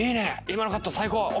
今のカット最高！